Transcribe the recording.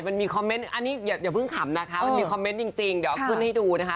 มันมีคอมเมนต์อันนี้อย่าเพิ่งขำนะคะมันมีคอมเมนต์จริงเดี๋ยวขึ้นให้ดูนะคะ